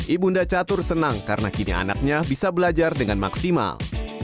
ibunda catur senang karena kini anaknya bisa belajar dengan maksimal